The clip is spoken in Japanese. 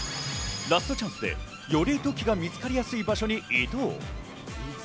ラストチャンスでより土器が見つかりやすい場所に移動。